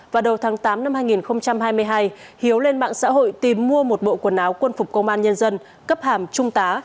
vào đầu tháng tám năm hai nghìn hai mươi hai hiếu lên mạng xã hội tìm mua một bộ quần áo quân phục công an nhân dân cấp hàm trung tá